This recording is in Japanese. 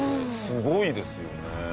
すごいですよね。